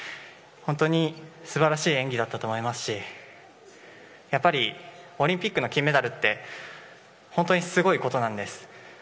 本当に素晴らしい演技だったと思いますし、やっぱりオリンピックの金メダルって本当にすごいことなんです。